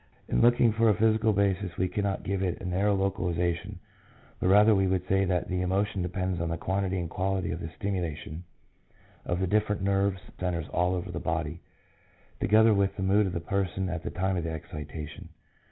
In looking for a physical basis we cannot give it a narrow localiza tion, but rather we would say that the emotion depends on the quantity and quality of the stimula tion of the different nerves and centres all over the body, together with the mood of the person at the time of the excitation.